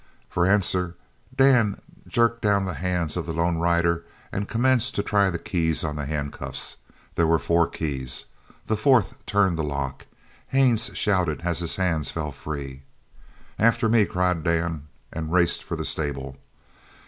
For answer Dan jerked down the hands of the lone rider and commenced to try the keys on the handcuffs. There were four keys. The fourth turned the lock. Haines shouted as his hands fell free. "After me!" cried Dan, and raced for the stable.